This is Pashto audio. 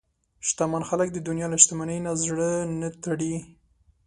شتمن خلک د دنیا له شتمنۍ نه زړه نه تړي.